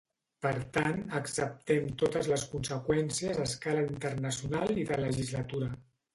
Per tant, acceptem totes les conseqüències a escala internacional i de legislatura.